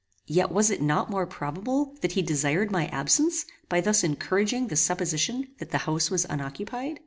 Yet was it not more probable that he desired my absence by thus encouraging the supposition that the house was unoccupied?